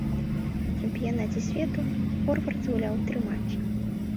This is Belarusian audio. На чэмпіянаце свету форвард згуляў тры матчы.